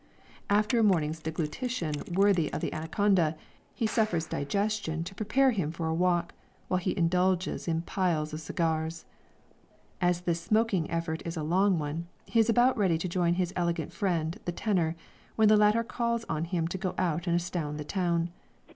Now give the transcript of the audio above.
After a morning's deglutition worthy of the anaconda, he suffers digestion to prepare him for a walk, while he indulges in piles of cigars. As this smoking effort is a long one, he is about ready to join his elegant friend, the tenor, when the latter calls on him to go out and astound the town.